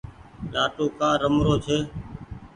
لآٽون ڪآ رمرو ڇي۔